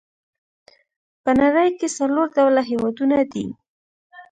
په نړۍ کې څلور ډوله هېوادونه دي.